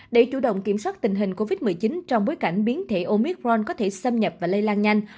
để chủ động kiểm soát tình hình covid một mươi chín trong bối cảnh biến thể omicron có thể xâm nhập và lây lan nhanh